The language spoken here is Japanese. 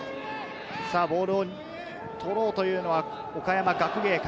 ボールを取ろうというのは岡山学芸館。